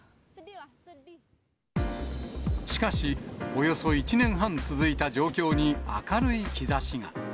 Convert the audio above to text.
しかし、およそ１年半続いた状況に、明るい兆しが。